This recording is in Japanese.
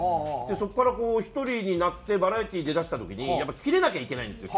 そこからこう１人になってバラエティー出だした時にキレなきゃいけないんですよ